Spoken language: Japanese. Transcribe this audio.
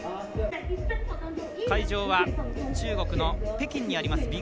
会場は中国の北京にあります